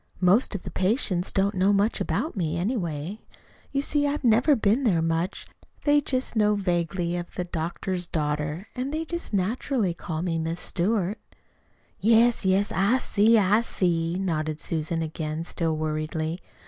Most of the patients don't know much about me, anyway. You see, I've never been there much. They just know vaguely of 'the doctor's daughter,' and they just naturally call her 'Miss Stewart.'" "Yes, yes, I see, I see," nodded Susan, again still worriedly.